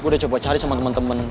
gue udah coba cari sama temen temen